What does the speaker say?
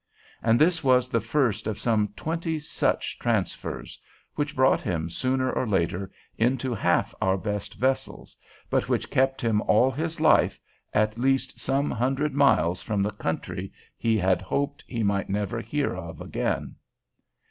And this was the first of some twenty such transfers, which brought him sooner or later into half our best vessels, but which kept him all his life at least some hundred miles from the country he had hoped he might never hear of again.